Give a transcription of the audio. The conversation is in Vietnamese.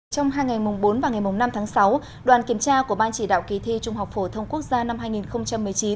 trong hai ngày mùng bốn và ngày mùng năm tháng sáu đoàn kiểm tra của ban chỉ đạo kỳ thi trung học phổ thông quốc gia năm hai nghìn một mươi chín